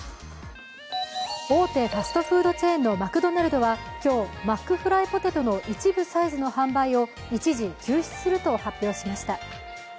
大手ファストフードチェーンのマクドナルドは今日、マックフライポテトの一部サイズの販売を一時休止すると発表しました。